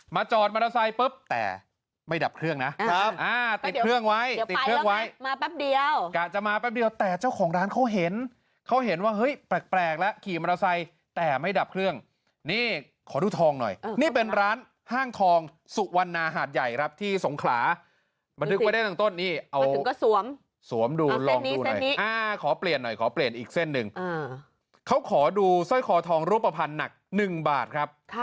มาจอดมอเตอร์ไซค์ปุ๊บแต่ไม่ดับเครื่องนะครับอ่าติดเครื่องไว้ติดเครื่องไว้มาแป๊บเดียวกะจะมาแป๊บเดียวแต่เจ้าของร้านเขาเห็นเขาเห็นว่าเฮ้ยแปลกแปลกแล้วขี่มอเตอร์ไซค์แต่ไม่ดับเครื่องนี่ขอดูทองหน่อยนี่เป็นร้านห้างทองสุวรรณาหาดใหญ่รับที่สงขลามานึกไปได้ตั้งต้นนี่เอาสวมสวมดูลองดูหน่อยอ่าข